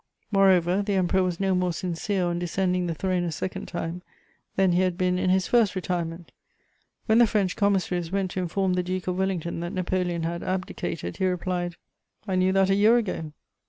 Moreover, the Emperor was no more sincere on descending the throne a second time than he had been in his first retirement; when the French commissaries went to inform the Duke of Wellington that Napoleon had abdicated, he replied: "I knew that a year ago."